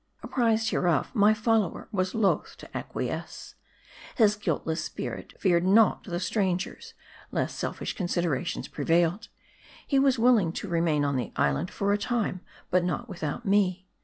Apprised hereof, my follower was loth to acquiesce. His guiltless spirit feared not the strangers : less selfish considerations prevailed. He was willing to remain on the island for a time, but not without me.